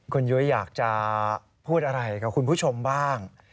คุณยุ้ยอยากจะพูดอะไรกับคุณผู้ชมบ้าง